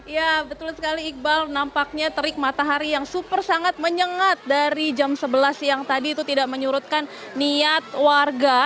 ya betul sekali iqbal nampaknya terik matahari yang super sangat menyengat dari jam sebelas siang tadi itu tidak menyurutkan niat warga